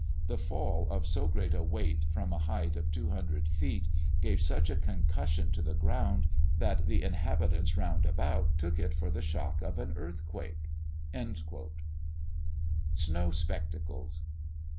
The fall of so great a weight from a height of two hundred feet gave such a concussion to the ground, that the inhabitants round about took it for the shock of an earthquake." SNOW SPECTACLES.